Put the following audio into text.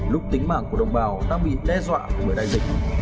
lúc tính mạng của đồng bào đang bị đe dọa bởi đại dịch